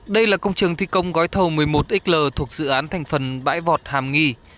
đây là công trường thi công gói thầu một mươi một xl thuộc dự án thành phần bãi vọt hàm nghi